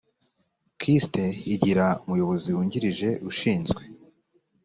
kist igira umuyobozi wungirije ushinzwe